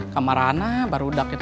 kamarana baru udah kita